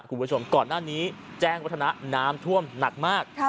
คุณผู้ชมก่อนหน้านี้แจ้งวัฒนะน้ำท่วมหนักมาก